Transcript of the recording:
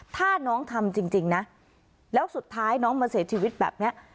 ถ้าน้องทำจริงนะแล้วสุดท้ายน้องมาเสียชีวิตแบบนี้